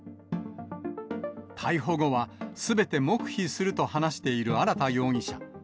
逮捕後は、すべて黙秘すると話している荒田容疑者。